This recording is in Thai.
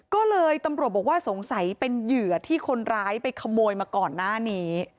ก็เลยตำรวจบอกว่าสงสัยเป็นเหยื่อที่คนร้ายไปขโมยมาก่อนหน้านี้